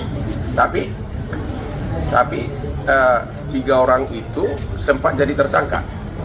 tapi tapi tiga orang itu sempat jadi tersangka